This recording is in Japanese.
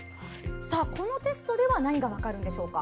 さあ、このテストでは何が分かるんでしょうか？